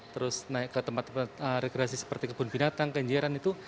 terus naik ke tempat tempat rekreasi seperti kebun binatang kenjeran itu